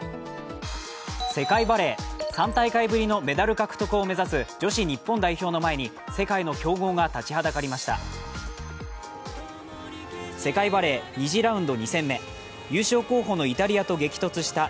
世界バレー、３大会ぶりのメダル獲得を目指す女子日本代表の前に世界の強豪が立ちはだかりました。